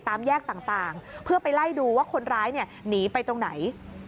แยกต่างเพื่อไปไล่ดูว่าคนร้ายหนีไปตรงไหน